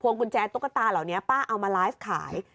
กุญแจตุ๊กตาเหล่านี้ป้าเอามาไลฟ์ขาย